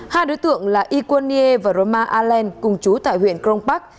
hai đối tượng là yquan nie và roma allen cùng chú tại huyện kronpark